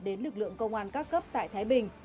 đến lực lượng công an các cấp tại thái bình